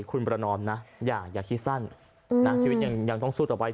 คุณประนอมนะอย่าคิดสั้นนะชีวิตยังต้องสู้ต่อไป